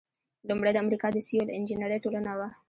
لومړۍ د امریکا د سیول انجینری ټولنه وه.